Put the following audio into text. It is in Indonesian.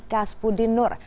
kas pudin nur